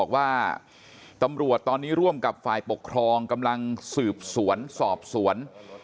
ว่าตำรวจตอนนี้ร่วมกับฝ่ายปกครองกำลังสืบสวนสอบสวน